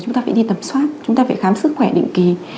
chúng ta phải đi tầm soát chúng ta phải khám sức khỏe định kỳ